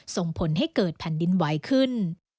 ส่งผลให้เกิดแผ่นดินไหวขึ้น